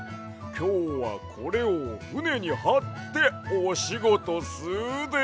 きょうはこれをふねにはっておしごとすで！